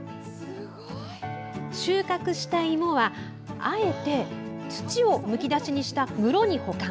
収穫した芋はあえて土をむき出しにした室に保管。